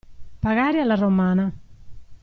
Pagare alla romana.